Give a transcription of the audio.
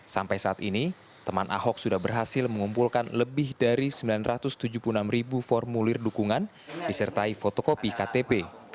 sampai saat ini teman ahok sudah berhasil mengumpulkan lebih dari sembilan ratus tujuh puluh enam ribu formulir dukungan disertai fotokopi ktp